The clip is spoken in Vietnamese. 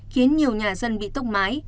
khiến nhiều nhà dân bị tốc mái